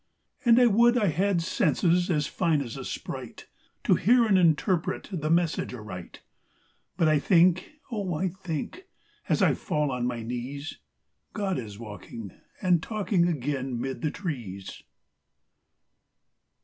And I would I had senses as fine as a sprite, To hear and interpret the message a right : But I think, oh, I think, as I fall on my knees, God is walking and talking again 'mid the trees.